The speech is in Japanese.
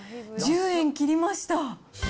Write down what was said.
１０円切りました。